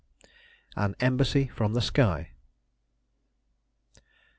AN EMBASSY FROM THE SKY.